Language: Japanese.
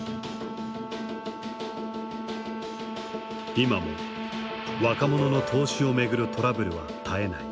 今も若者の投資を巡るトラブルは絶えない。